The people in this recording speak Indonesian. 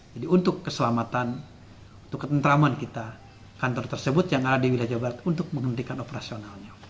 jadi untuk keselamatan untuk ketentraman kita kantor tersebut yang ada di wilayah jawa barat untuk menghentikan operasionalnya